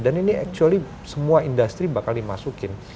dan ini actually semua industri bakal dimasukin